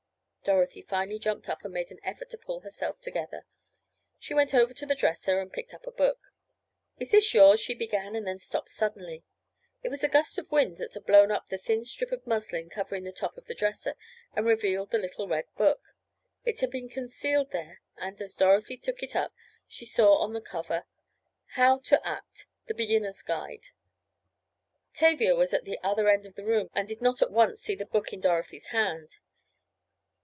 Dorothy finally jumped up and made an effort to pull herself together. She went over to the dresser and picked up a book. "Is this yours?" she began, and then stopped suddenly. It was a gust of wind that had blown up the thin strip of muslin covering the top of the dresser and revealed the little red book. It had been concealed there and, as Dorothy took it up she saw on the cover: HOW TO ACT The Beginner's Guide. Tavia was at the other end of the room and did not at once see the book in Dorothy's hand.